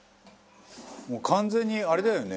「もう完全にあれだよね」